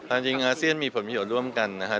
จริงอาเซียนมีผลประโยชน์ร่วมกันนะครับ